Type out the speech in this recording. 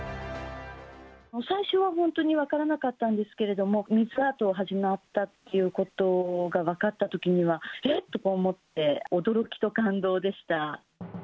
最初は本当に分からなかったんですけども、水アートが始まったということが分かったときには、え？とか思って、驚きと感動でした。